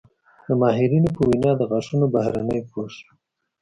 د ماهرینو په وینا د غاښونو بهرني پوښ